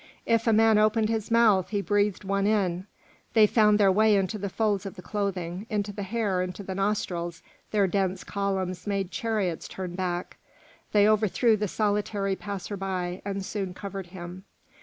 If a man opened his mouth, he breathed one in; they found their way into the folds of the clothing, into the hair, into the nostrils; their dense columns made chariots turn back; they overthrew the solitary passer by and soon covered him.